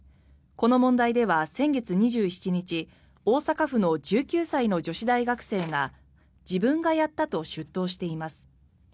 この問題では先月２７日大阪府の１９歳の女子大学生が自分がやったと出頭しています。